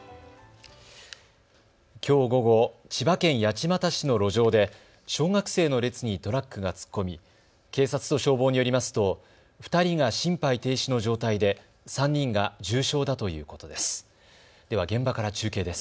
きょう午後、千葉県八街市の路上で小学生の列にトラックが突っ込み、警察と消防によりますと２人が心肺停止の状態で３人が重傷だということです。